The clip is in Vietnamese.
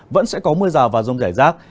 vẫn sẽ có mưa rào và rông rải rác